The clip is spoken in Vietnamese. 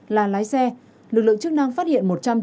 là lái xe lực lượng chức năng phát hiện